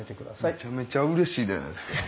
めちゃめちゃうれしいじゃないですか。